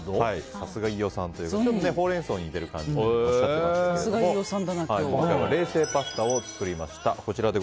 さすが飯尾さんということでスイスチャードはホウレンソウに似ている感じとおっしゃっていましたけど今日は冷製パスタを作りました。